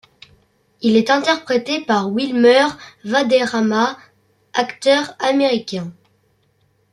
Il est interprété par Wilmer Valderrama, acteur américain.